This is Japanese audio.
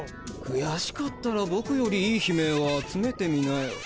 くやしかったらボクよりいい悲鳴を集めてみなよ。